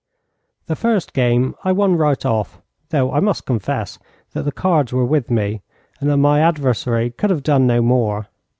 The first game I won right off, though I must confess that the cards were with me, and that my adversary could have done no more.